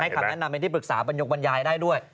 คำแนะนำเป็นที่ปรึกษาบรรยกบรรยายได้ด้วย